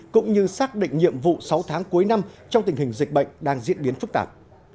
cũng như xác định nhiệm vụ sáu tháng cuối năm trong tình hình dịch bệnh đang diễn biến phức tạp